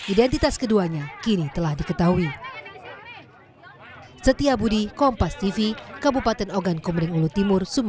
identitas keduanya kini telah diketahui